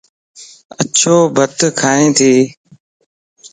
اڇو بت کائينتي